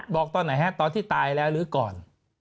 บอกตอนไหนฮะตอนที่ตายแล้วหรือก่อน